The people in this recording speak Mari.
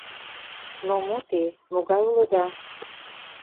Но мо те, могай улыда...